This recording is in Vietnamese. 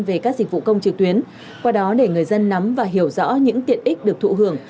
về các dịch vụ công trực tuyến qua đó để người dân nắm và hiểu rõ những tiện ích được thụ hưởng